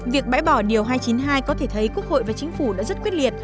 việc bãi bỏ điều hai trăm chín mươi hai có thể thấy quốc hội và chính phủ đã rất quyết liệt